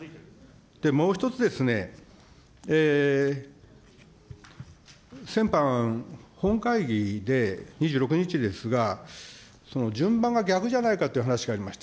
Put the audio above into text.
もう一つですね、先般、本会議で、２６日ですが、順番が逆じゃないかという話がありました。